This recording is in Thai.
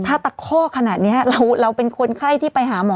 ถ้าตะข้อขนาดนี้เราเป็นคนไข้ที่ไปหาหมอ